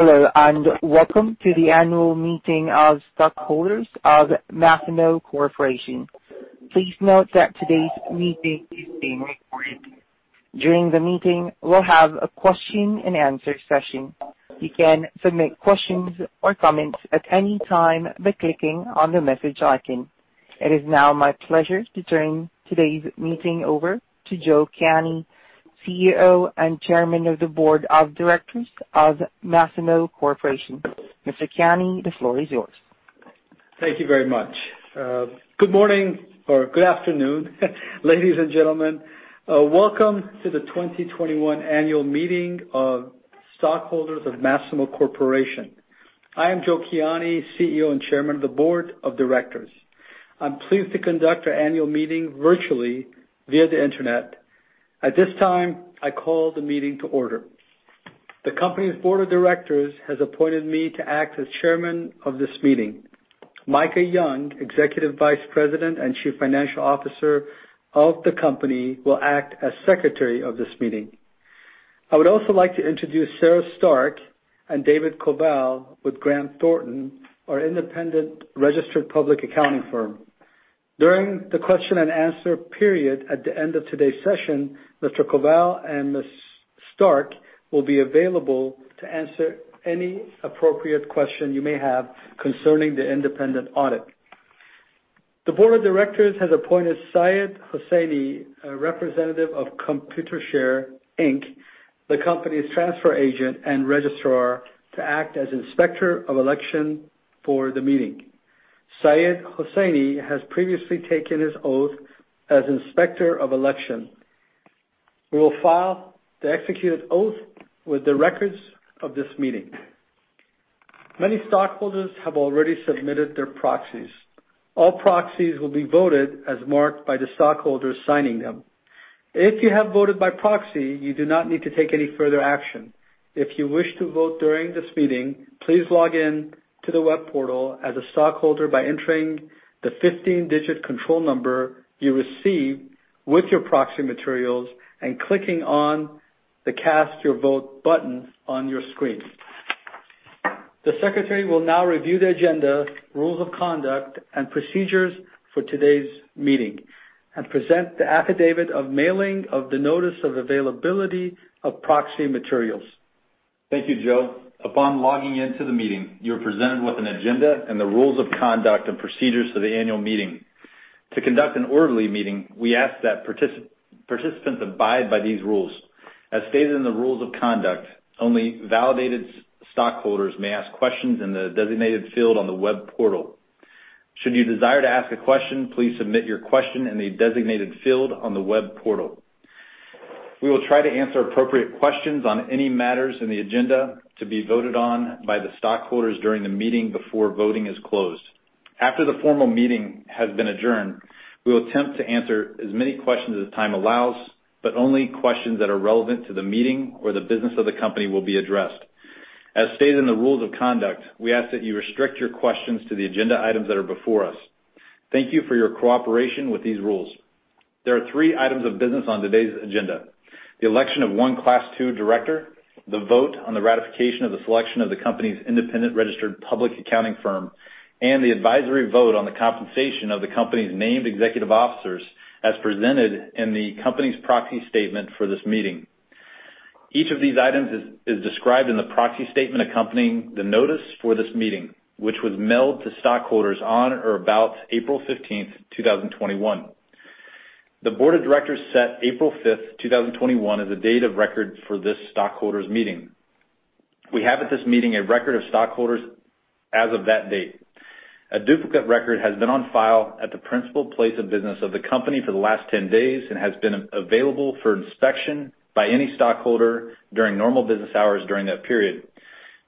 Hello, and welcome to the annual meeting of stockholders of Masimo Corporation. Please note that today's meeting is being recorded. During the meeting, we'll have a question-and-answer session. You can submit questions or comments at any time by clicking on the message icon. It is now my pleasure to turn today's meeting over to Joe Kiani, Chief Executive Officer and Chairman of the Board of Directors of Masimo Corporation. Mr. Kiani, the floor is yours. Thank you very much. Good morning or good afternoon, ladies and gentlemen? Welcome to the 2021 annual meeting of stockholders of Masimo Corporation. I am Joe Kiani, Chief Executive Officer and Chairman of the Board of Directors. I'm pleased to conduct our annual meeting virtually via the internet. At this time, I call the meeting to order. The company's Board of Directors has appointed me to act as chairman of this meeting. Micah Young, Executive Vice President and Chief Financial Officer of the company, will act as Secretary of this meeting. I would also like to introduce Sarah Stark and David Koval with Grant Thornton, our independent registered public accounting firm. During the question-and-answer period at the end of today's session, Mr. Koval and Ms. Stark will be available to answer any appropriate question you may have concerning the independent audit. The board of directors has appointed Syed Hussaini, a representative of Computershare, Inc., the company's transfer agent and registrar, to act as Inspector of Election for the meeting. Syed Hussaini has previously taken his oath as Inspector of Election. We will file the executed oath with the records of this meeting. Many stockholders have already submitted their proxies. All proxies will be voted as marked by the stockholders signing them. If you have voted by proxy, you do not need to take any further action. If you wish to vote during this meeting, please log in to the web portal as a stockholder by entering the 15-digit control number you received with your proxy materials and clicking on the Cast Your Vote button on your screen. The secretary will now review the agenda, rules of conduct, and procedures for today's meeting and present the affidavit of mailing of the notice of availability of proxy materials. Thank you, Joe. Upon logging into the meeting, you're presented with an agenda and the rules of conduct and procedures for the annual meeting. To conduct an orderly meeting, we ask that participants abide by these rules. As stated in the rules of conduct, only validated stockholders may ask questions in the designated field on the web portal. Should you desire to ask a question, please submit your question in the designated field on the web portal. We will try to answer appropriate questions on any matters in the agenda to be voted on by the stockholders during the meeting before voting is closed. After the formal meeting has been adjourned, we will attempt to answer as many questions as time allows, but only questions that are relevant to the meeting or the business of the company will be addressed. As stated in the rules of conduct, we ask that you restrict your questions to the agenda items that are before us. Thank you for your cooperation with these rules. There are three items of business on today's agenda. The election of one Class II Director, the vote on the ratification of the selection of the company's independent registered public accounting firm, and the advisory vote on the compensation of the company's named executive officers as presented in the company's proxy statement for this meeting. Each of these items is described in the proxy statement accompanying the notice for this meeting, which was mailed to stockholders on or about April 15, 2021. The board of directors set April 5, 2021, as the date of record for this stockholders meeting. We have at this meeting a record of stockholders as of that date. A duplicate record has been on file at the principal place of business of the company for the last 10 days and has been available for inspection by any stockholder during normal business hours during that period.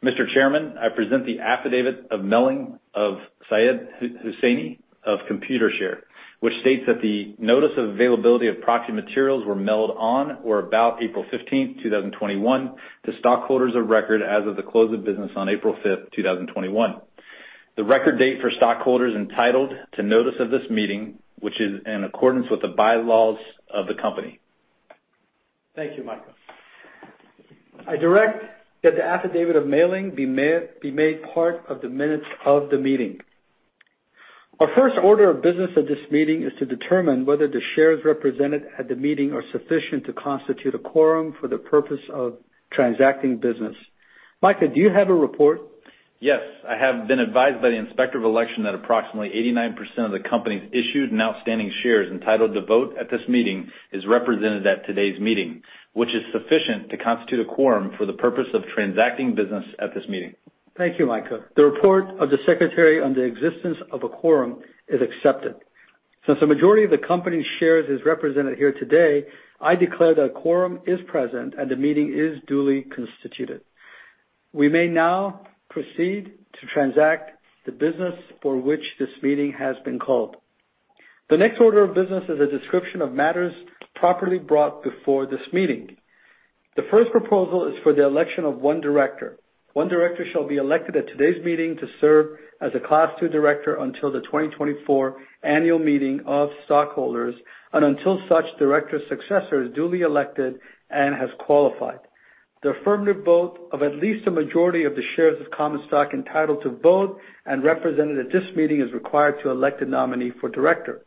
Mr. Chairman, I present the affidavit of mailing of Syed Hussaini of Computershare, which states that the notice of availability of proxy materials were mailed on or about April 15, 2021 to stockholders of record as of the close of business on April 5, 2021, the record date for stockholders entitled to notice of this meeting, which is in accordance with the bylaws of the company. Thank you, Micah. I direct that the affidavit of mailing be made part of the minutes of the meeting. Our first order of business at this meeting is to determine whether the shares represented at the meeting are sufficient to constitute a quorum for the purpose of transacting business. Micah, do you have the report? Yes. I have been advised by the Inspector of Election that approximately 89% of the company's issued and outstanding shares entitled to vote at this meeting is represented at today's meeting, which is sufficient to constitute a quorum for the purpose of transacting business at this meeting. Thank you, Micah. The report of the Secretary on the existence of a quorum is accepted. Since the majority of the company's shares is represented here today, I declare that a quorum is present and the meeting is duly constituted. We may now proceed to transact the business for which this meeting has been called. The next order of business is a description of matters properly brought before this meeting. The first proposal is for the election of one Director. One Director shall be elected at today's meeting to serve as a Class II Director until the 2024 annual meeting of stockholders, and until such Director's successor is duly elected and has qualified. The affirmative vote of at least a majority of the shares of common stock entitled to vote and represented at this meeting is required to elect a nominee for Director.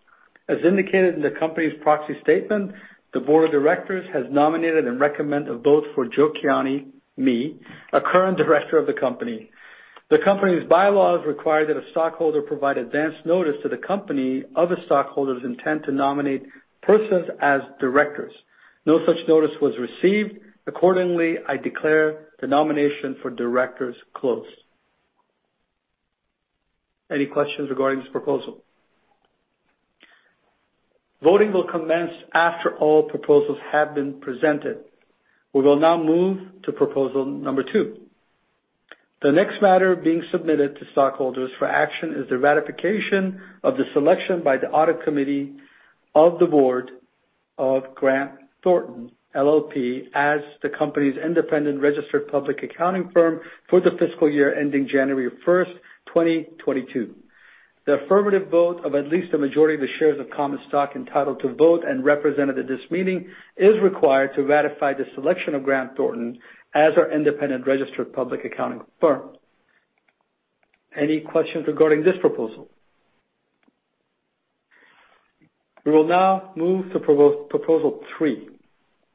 As indicated in the company's proxy statement, the Board of Directors has nominated and recommended a vote for Joe Kiani, me, a current Director of the company. The company's bylaws require that a stockholder provide advance notice to the company of a stockholder's intent to nominate persons as Directors. No such notice was received. Accordingly, I declare the nomination for Directors closed. Any questions regarding this proposal? Voting will commence after all proposals have been presented. We will now move to proposal number two. The next matter being submitted to stockholders for action is the ratification of the selection by the audit committee of the Board of Grant Thornton LLP, as the company's independent registered public accounting firm for the fiscal year ending January 1, 2022. The affirmative vote of at least a majority of the shares of common stock entitled to vote and represented at this meeting is required to ratify the selection of Grant Thornton as our independent registered public accounting firm. Any questions regarding this proposal? We will now move to proposal three.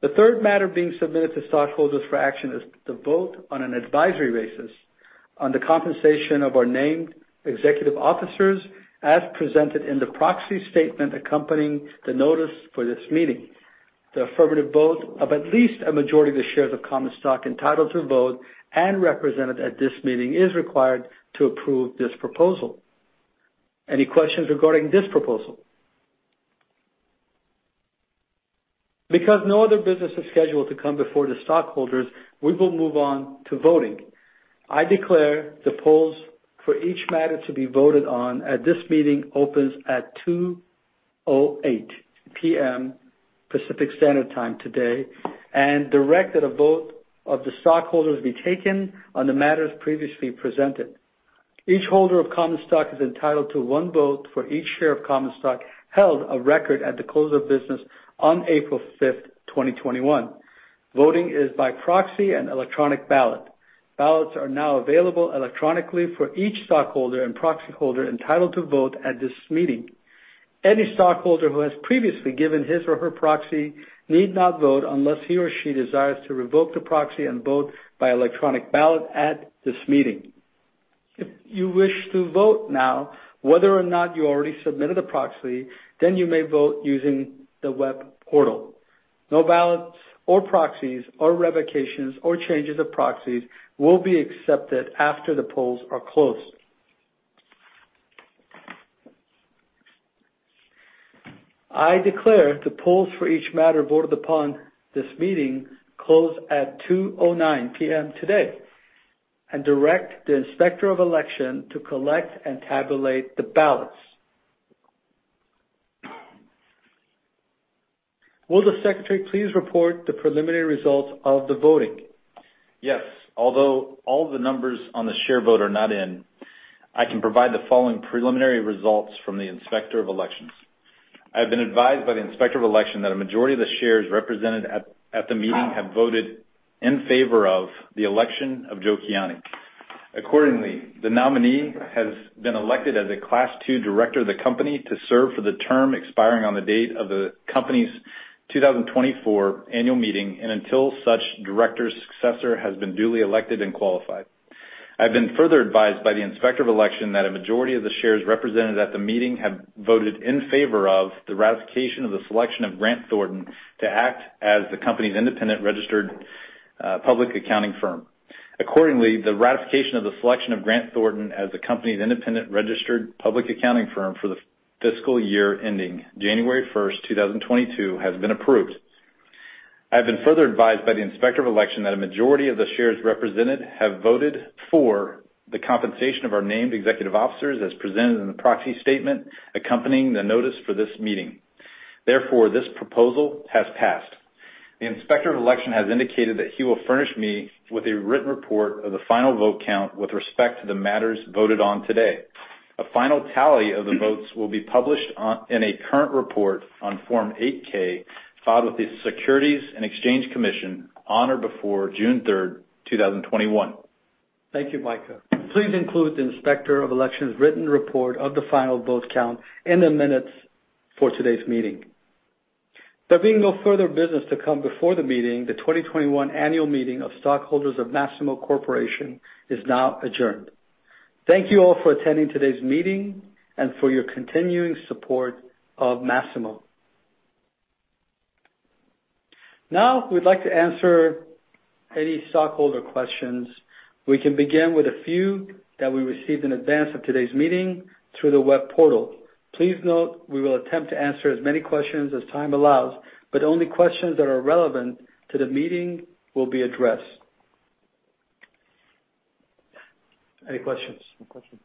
The third matter being submitted to stockholders for action is to vote on an advisory basis on the compensation of our named executive officers as presented in the proxy statement accompanying the notice for this meeting. The affirmative vote of at least a majority of the shares of common stock entitled to vote and represented at this meeting is required to approve this proposal. Any questions regarding this proposal? Because no other business is scheduled to come before the stockholders, we will move on to voting. I declare the polls for each matter to be voted on at this meeting opens at 2:08 P.M. Pacific Standard Time today, and direct that a vote of the stockholders be taken on the matters previously presented. Each holder of common stock is entitled to one vote for each share of common stock held of record at the close of business on April 5, 2021. Voting is by proxy and electronic ballot. Ballots are now available electronically for each stockholder and proxy holder entitled to vote at this meeting. Any stockholder who has previously given his or her proxy need not vote unless he or she desires to revoke the proxy and vote by electronic ballot at this meeting. If you wish to vote now, whether or not you already submitted a proxy, then you may vote using the web portal. No ballots or proxies or revocations or changes of proxies will be accepted after the polls are closed. I declare the polls for each matter voted upon in this meeting closed at 2:09 P.M. today and direct the Inspector of Election to collect and tabulate the ballots. Will the Secretary please report the preliminary results of the voting? Yes. All the numbers on the share vote are not in, I can provide the following preliminary results from the Inspector of Election. I have been advised by the Inspector of Election that a majority of the shares represented at the meeting have voted in favor of the election of Joe Kiani. The nominee has been elected as a Class II Director of the company to serve for the term expiring on the date of the company's 2024 annual meeting, and until such director's successor has been duly elected and qualified. I've been further advised by the Inspector of Election that a majority of the shares represented at the meeting have voted in favor of the ratification of the selection of Grant Thornton to act as the company's independent registered public accounting firm. Accordingly, the ratification of the selection of Grant Thornton as the company's independent registered public accounting firm for the fiscal year ending January 1, 2022, has been approved. I've been further advised by the inspector of election that a majority of the shares represented have voted for the compensation of our named Executive Officers as presented in the proxy statement accompanying the notice for this meeting. This proposal has passed. The Inspector of Election has indicated that he will furnish me with a written report of the final vote count with respect to the matters voted on today. A final tally of the votes will be published in a current report on Form 8-K filed with the Securities and Exchange Commission on or before June 3, 2021. Thank you, Micah. Please include the Inspector of Election's written report of the final vote count in the minutes for today's meeting. There being no further business to come before the meeting, the 2021 annual meeting of stockholders of Masimo Corporation is now adjourned. Thank you all for attending today's meeting and for your continuing support of Masimo. Now, we'd like to answer any stockholder questions. We can begin with a few that we received in advance of today's meeting through the web portal. Please note we will attempt to answer as many questions as time allows, but only questions that are relevant to the meeting will be addressed. Any questions? No questions.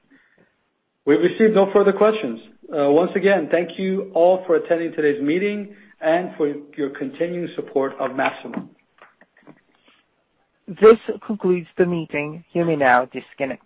We've received no further questions. Once again, thank you all for attending today's meeting and for your continuing support of Masimo. This concludes the meeting, you may now disconnect.